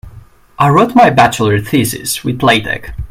I wrote my bachelor thesis with latex.